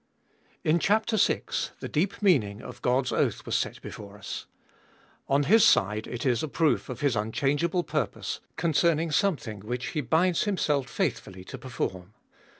IN chap. vi. the deep meaning of God's oath was set before us. On His side it is a proof of His unchangeable purpose concern ing something which He binds Himself faithfully to perform.